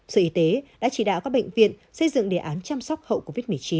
sở y tế đã chỉ đạo các bệnh viện xây dựng đề án chăm sóc hậu covid một mươi chín